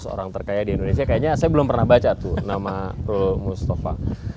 orang terkaya di indonesia kayaknya saya belum pernah baca tuh nama rul mustafa